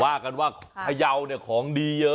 ว่ากันว่าไทยาวของดีเยอะ